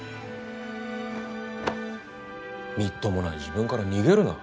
みっともない自分から逃げるな。